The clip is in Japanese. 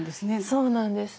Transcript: そうなんです。